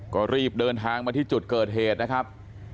ก็รีบเดินทางมาที่จุดเกิดเหตุนะครับ